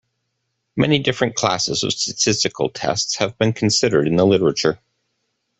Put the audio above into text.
Many different classes of statistical tests have been considered in the literature.